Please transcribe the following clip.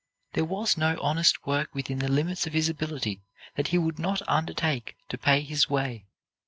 There was no honest work within the limits of his ability that he would not undertake to pay his way.